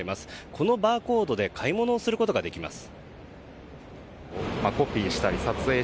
このバーコードで買い物をすることができます。